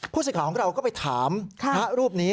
สิทธิ์ของเราก็ไปถามพระรูปนี้